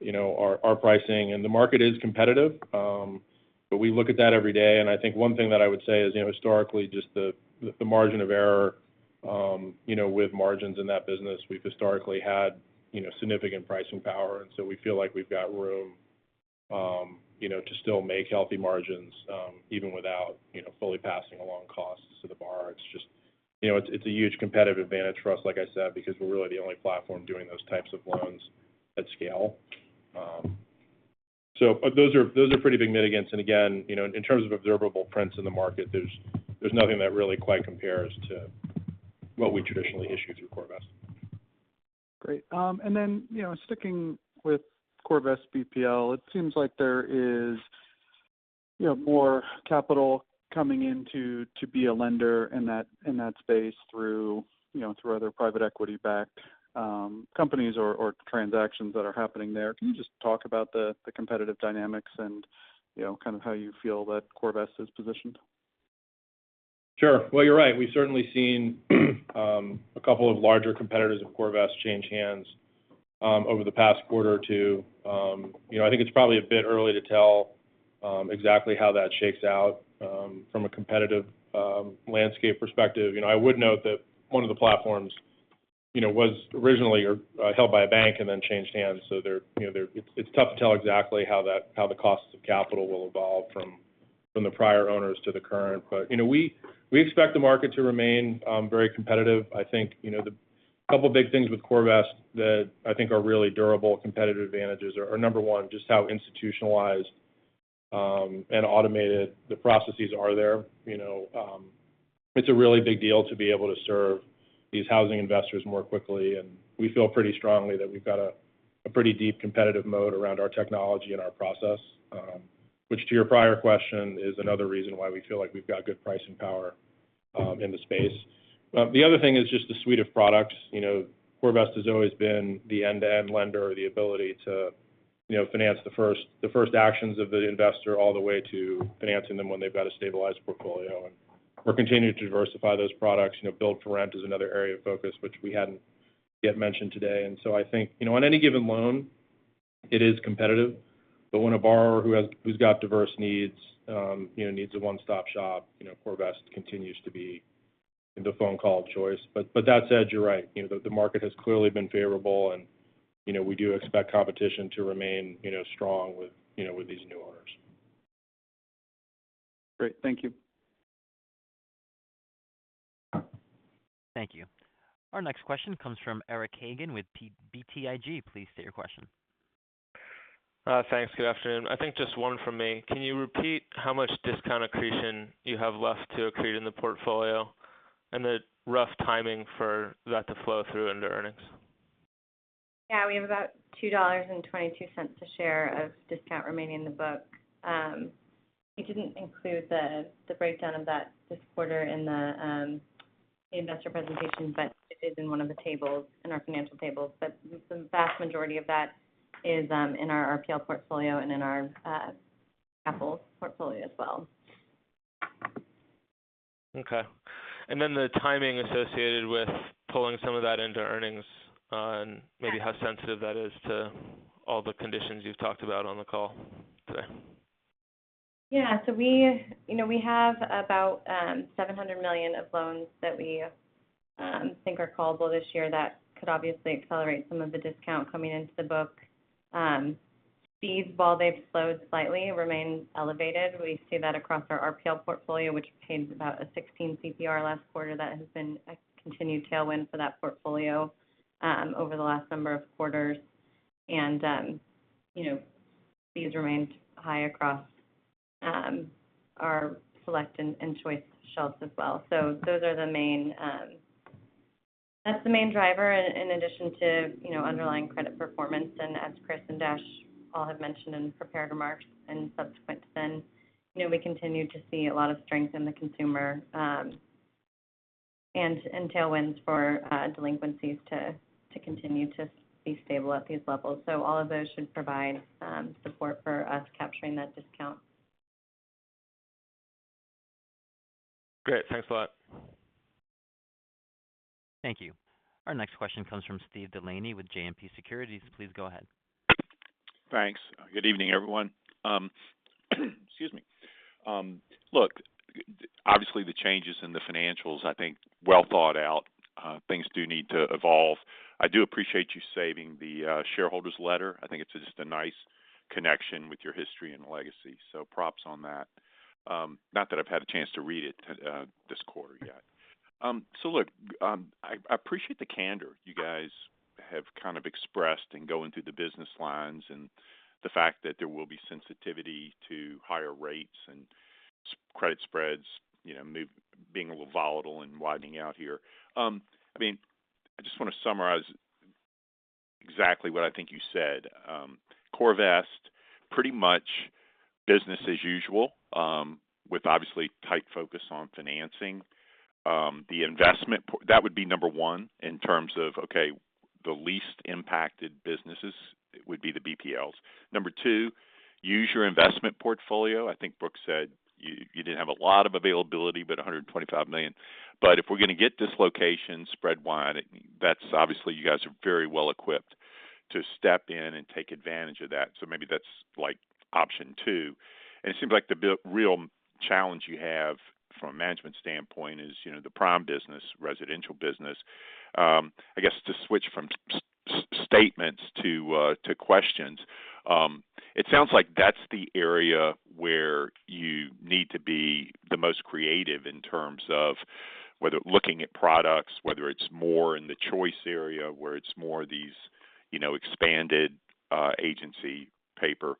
you know, our pricing. The market is competitive, but we look at that every day. I think one thing that I would say is, you know, historically, just the margin of error. You know, with margins in that business, we've historically had, you know, significant pricing power, and so we feel like we've got room, you know, to still make healthy margins, even without, you know, fully passing along costs to the borrower. It's just. You know, it's a huge competitive advantage for us, like I said, because we're really the only platform doing those types of loans at scale. But those are pretty big mitigants. Again, you know, in terms of observable prints in the market, there's nothing that really quite compares to what we traditionally issue through CoreVest. Great. And then, you know, sticking with CoreVest BPL, it seems like there is, you know, more capital coming in to be a lender in that space through, you know, through other private equity-backed companies or transactions that are happening there. Can you just talk about the competitive dynamics and, you know, kind of how you feel that CoreVest is positioned? Sure. Well, you're right. We've certainly seen a couple of larger competitors of CoreVest change hands over the past quarter or two. You know, I think it's probably a bit early to tell exactly how that shakes out from a competitive landscape perspective. You know, I would note that one of the platforms you know was originally held by a bank and then changed hands. So they're you know it's tough to tell exactly how the costs of capital will evolve from the prior owners to the current. You know we expect the market to remain very competitive. I think you know the couple big things with CoreVest that I think are really durable competitive advantages are number one just how institutionalized and automated the processes are there. You know, it's a really big deal to be able to serve these housing investors more quickly, and we feel pretty strongly that we've got a pretty deep competitive moat around our technology and our process, which to your prior question is another reason why we feel like we've got good pricing power in the space. The other thing is just the suite of products. You know, CoreVest has always been the end-to-end lender, the ability to, you know, finance the first actions of the investor all the way to financing them when they've got a stabilized portfolio. We're continuing to diversify those products. You know, build-to-rent is another area of focus which we hadn't yet mentioned today. I think, you know, on any given loan, it is competitive. When a borrower who's got diverse needs, you know, needs a one-stop shop, you know, CoreVest continues to be the phone call of choice. But that said, you're right. You know, the market has clearly been favorable and, you know, we do expect competition to remain, you know, strong with these new owners. Great. Thank you. Thank you. Our next question comes from Eric Hagen with BTIG. Please state your question. Thanks. Good afternoon. I think just one from me. Can you repeat how much discount accretion you have left to accrue in the portfolio and the rough timing for that to flow through into earnings? Yeah. We have about $2.22 a share of discount remaining in the book. We didn't include the breakdown of that this quarter in the investor presentation, but it is in one of the tables in our financial tables. The vast majority of that is in our RPL portfolio and in our CAFL portfolio as well. Okay. Then the timing associated with pulling some of that into earnings and maybe how sensitive that is to all the conditions you've talked about on the call today? Yeah. We, you know, we have about $700 million of loans that we think are callable this year that could obviously accelerate some of the discount coming into the book. Fees, while they've slowed slightly, remain elevated. We see that across our RPL portfolio, which retained about 16 CPR last quarter. That has been a continued tailwind for that portfolio over the last number of quarters. You know, fees remained high across our Select and Choice shelves as well. That's the main driver in addition to, you know, underlying credit performance. As Chris and Dash have mentioned in prepared remarks and subsequent to then, you know, we continue to see a lot of strength in the consumer, and tailwinds for delinquencies to continue to be stable at these levels. All of those should provide support for us capturing that discount. Great. Thanks a lot. Thank you. Our next question comes from Steve DeLaney with JMP Securities. Please go ahead. Thanks. Good evening, everyone. Excuse me. Look, obviously the changes in the financials I think well thought out. Things do need to evolve. I do appreciate you saving the shareholders letter. I think it's just a nice connection with your history and legacy, so props on that. Not that I've had a chance to read it this quarter yet. So look, I appreciate the candor you guys have kind of expressed in going through the business lines and the fact that there will be sensitivity to higher rates and credit spreads, you know, being a little volatile and widening out here. I mean, I just wanna summarize exactly what I think you said. CoreVest, pretty much business as usual, with obviously tight focus on financing. The investment that would be number one in terms of, okay, the least impacted businesses would be the BPLs. Number two, use your investment portfolio. I think Brooke said you didn't have a lot of availability, but $125 million. If we're gonna get dislocations, spreads widen, that's obviously you guys are very well equipped to step in and take advantage of that. Maybe that's like option two. It seems like the real challenge you have from a management standpoint is, you know, the prime business, residential business. I guess to switch from statements to questions. It sounds like that's the area where you need to be the most creative in terms of whether looking at products, whether it's more in the Choice area, where it's more these, you know, expanded agency paper.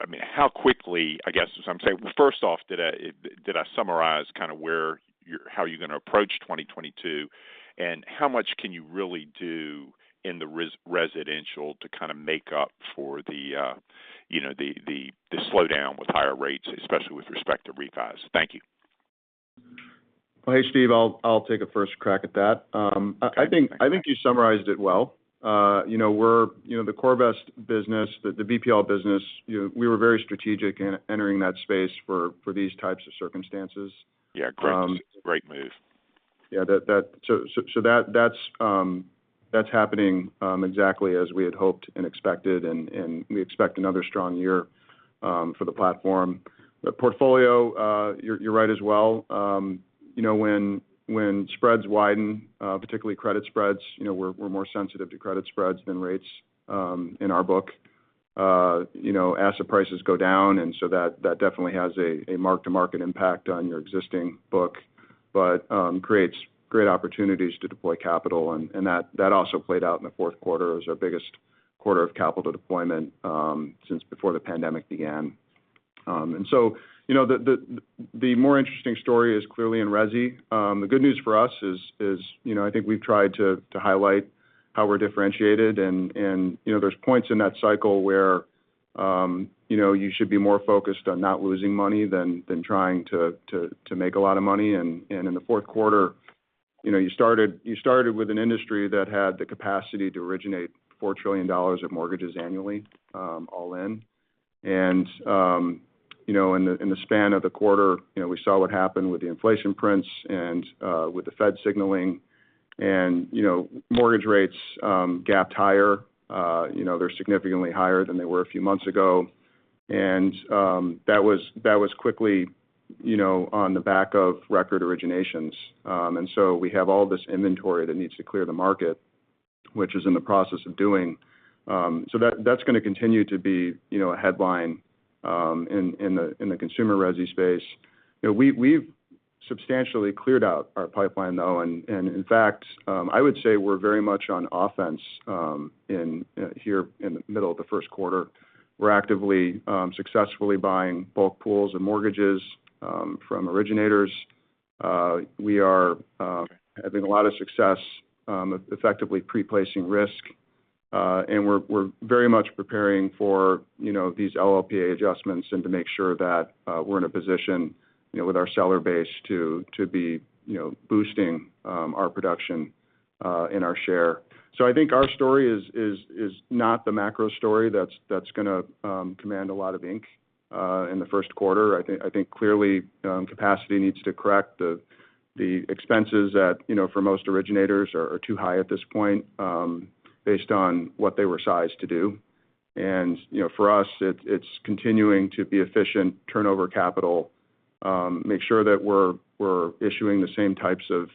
I mean, first off, did I summarize how you're gonna approach 2022, and how much can you really do in the residential to kinda make up for the slowdown with higher rates, especially with respect to refis? Thank you. Well, hey, Steve, I'll take a first crack at that. I think you summarized it well. You know, we're, you know, the CoreVest business, the BPL business, you know, we were very strategic in entering that space for these types of circumstances. Yeah, great move. That’s happening exactly as we had hoped and expected, and we expect another strong year for the platform. The portfolio, you’re right as well. You know, when spreads widen, particularly credit spreads, you know, we’re more sensitive to credit spreads than rates in our book. You know, asset prices go down, and so that definitely has a mark-to-market impact on your existing book. But it creates great opportunities to deploy capital, and that also played out in the fourth quarter. It was our biggest quarter of capital deployment since before the pandemic began. You know, the more interesting story is clearly in resi. The good news for us is, you know, I think we've tried to highlight how we're differentiated and, you know, there's points in that cycle where, you know, you should be more focused on not losing money than trying to make a lot of money. In the fourth quarter, you know, you started with an industry that had the capacity to originate $4 trillion of mortgages annually, all in. In the span of the quarter, you know, we saw what happened with the inflation prints and with the Fed signaling. Mortgage rates gapped higher. You know, they're significantly higher than they were a few months ago. That was quickly, you know, on the back of record originations. We have all this inventory that needs to clear the market, which is in the process of doing. That's gonna continue to be, you know, a headline in the consumer resi space. You know, we've substantially cleared out our pipeline, though. In fact, I would say we're very much on offense in here in the middle of the first quarter. We're actively, successfully buying bulk pools and mortgages from originators. We are having a lot of success effectively pre-placing risk. We're very much preparing for, you know, these LLPA adjustments and to make sure that we're in a position, you know, with our seller base to be, you know, boosting our production and our share. I think our story is not the macro story that's gonna command a lot of ink in the first quarter. I think clearly capacity needs to correct. The expenses that you know for most originators are too high at this point based on what they were sized to do. You know for us it's continuing to be efficient, turn over capital, make sure that we're issuing the same types of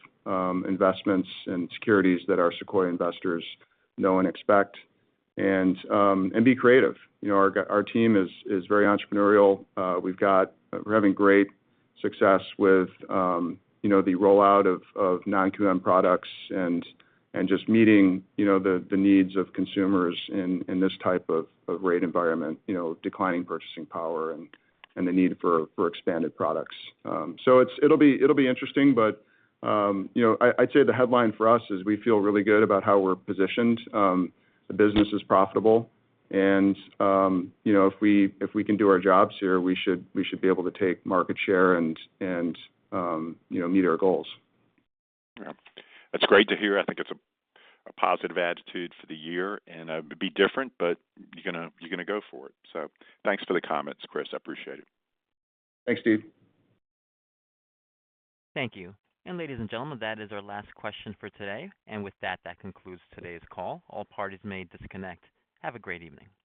investments and securities that our Sequoia investors know and expect and be creative. You know our team is very entrepreneurial. We're having great success with you know the rollout of non-QM products and just meeting you know the needs of consumers in this type of rate environment. You know, declining purchasing power and the need for expanded products. So it'll be interesting but, you know, I'd say the headline for us is we feel really good about how we're positioned. The business is profitable and, you know, if we can do our jobs here, we should be able to take market share and, you know, meet our goals. Yeah. That's great to hear. I think it's a positive attitude for the year and it'd be different, but you're gonna go for it. Thanks for the comments, Chris. I appreciate it. Thanks, Steve. Thank you. Ladies and gentlemen, that is our last question for today. With that concludes today's call. All parties may disconnect. Have a great evening.